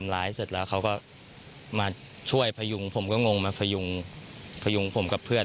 ไลฟ์เสร็จแล้วเขาก็มาช่วยพยุงผมก็งงมาพยุงพยุงผมกับเพื่อน